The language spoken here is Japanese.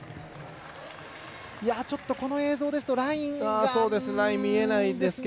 ちょっとこの映像ですとラインが見えないですね。